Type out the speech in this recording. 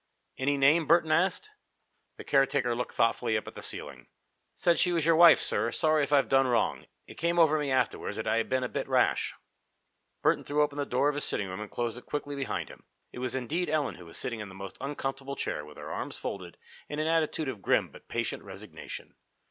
"Any name?" Burton asked. The caretaker looked thoughtfully up at the ceiling. "Said she was your wife, sir. Sorry if I've done wrong. It came over me afterwards that I'd been a bit rash." Burton threw open the door of his sitting room and closed it quickly behind him. It was indeed Ellen who was sitting in the most uncomfortable chair, with her arms folded, in an attitude of grim but patient resignation.